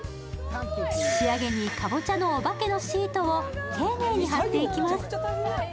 仕上げに、かぼちゃのお化けのシートを丁寧に張っていきます。